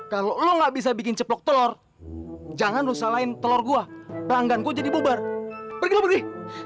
kalau lo nggak bisa bikin ceplok telur jangan nusah lain telur gua ranggan gua jadi bubar pergilah pergi